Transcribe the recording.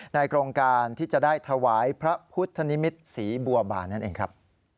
โครงการที่จะได้ถวายพระพุทธนิมิตรศรีบัวบานนั่นเองครับ